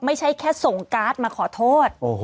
ไม่ใช่แค่ส่งการ์ดมาขอโทษ